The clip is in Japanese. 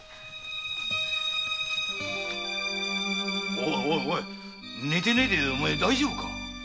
おいおい寝てねえで大丈夫か？